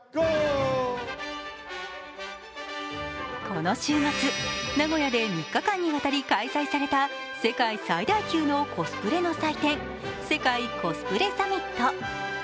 この週末、名古屋で３日間にわたり開催された世界最大級のコスプレの祭典世界コスプレサミット。